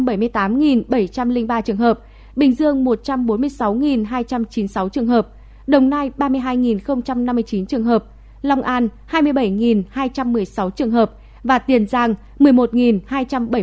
bình dương một trăm bốn mươi sáu hai trăm chín mươi sáu trường hợp đồng nai ba mươi hai năm mươi chín trường hợp lòng an hai mươi bảy hai trăm một mươi sáu trường hợp và tiền giang một mươi một hai trăm bảy mươi bốn trường hợp